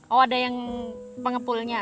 oh ada yang pengepulnya